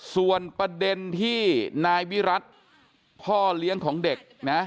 ส่วนประเด็นที่นายวิรัติพ่อเลี้ยงของเด็กนะ